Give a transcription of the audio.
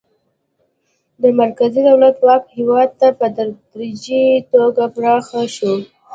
د مرکزي دولت واک هیواد ته په تدریجي توګه پراخه شو.